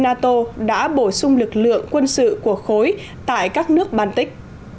ngoại trưởng nga sergei lavrov tiếp tục lên tàu